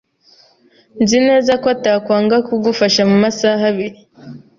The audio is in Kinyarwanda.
Nzi neza ko atakwanga kugufasha mumasaha abiri.